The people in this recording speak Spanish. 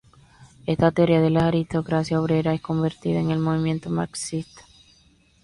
Esta teoría de la aristocracia obrera es controvertida en el movimiento marxista.